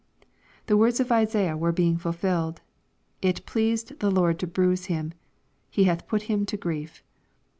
The words of Isaiah were being ful filled:— "It pleased the Lord to bruise Him ; He hath put Him to grief."